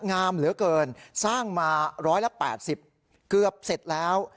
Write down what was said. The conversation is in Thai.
งามเหลือเกินสร้างมา๑๘๐เกือบเสร็จแล้ว